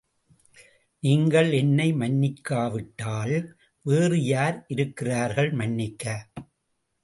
நீங்கள் என்னை மன்னிக்காவிட்டால் வேறு யார் இருக்கிறார்கள் மன்னிக்க!